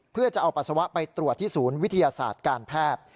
เพื่อจะเอาปัสสาวะไปตรวจที่ศูนย์วิทยาศาสตร์การแพทย์